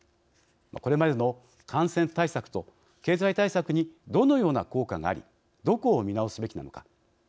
これまでの感染対策と経済対策にどのような効果がありどこを見直すべきなのか。